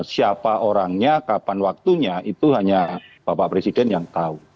siapa orangnya kapan waktunya itu hanya bapak presiden yang tahu